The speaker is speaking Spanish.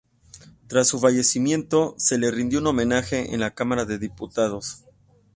Tras su fallecimiento, se le rindió un homenaje en la Camara de Diputados.